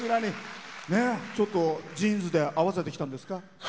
ちょっとジーンズで合わせてきたんですか。